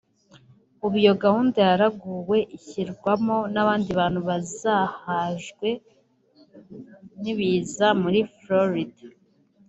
ubu iyo gahunda yaraguwe ishyirwamo n’abandi bantu bazahajwe n’ibiza muri Florida